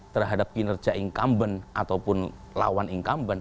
terhadap kinerja incumbent ataupun lawan incumbent